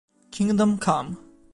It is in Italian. Kingdom Come